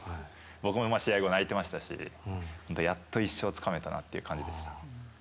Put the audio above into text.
僕も試合後泣いてましたしやっと１勝つかめたなって感じでした。